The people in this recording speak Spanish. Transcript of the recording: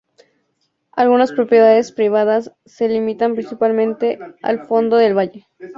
Algunas propiedades privadas se limitan principalmente al fondo del valle.